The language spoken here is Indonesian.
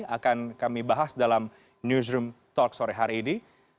akan kami bahas dalam newsroom talk sore hari ini